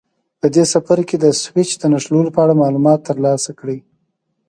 په دې څپرکي کې د سویچ د نښلولو په اړه معلومات ترلاسه کړئ.